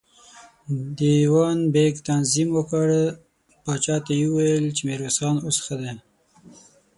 دېوان بېګ تعظيم وکړ، پاچا ته يې وويل چې ميرويس خان اوس ښه دی.